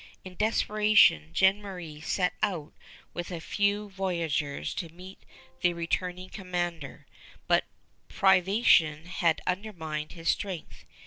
In desperation Jemmeraie set out with a few voyageurs to meet the returning commander, but privation had undermined his strength.